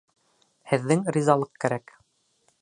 Һеҙҙең ризалыҡ кәрәк